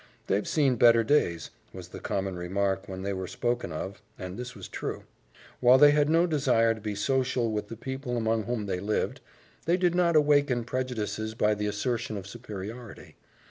"They've seen better days," was the common remark when they were spoken of; and this was true. While they had no desire to be social with the people among whom they lived, they did not awaken prejudices by the assertion of superiority.